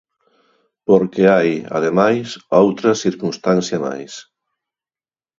Porque hai, ademais, outra circunstancia máis.